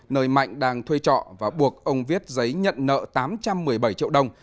nơi mạnh đang thuê trọ và buộc ông viết giấy nhận nợ tám trăm một mươi bảy triệu đồng